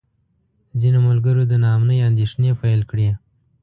ځینو ملګرو د نا امنۍ اندېښنې پیل کړې.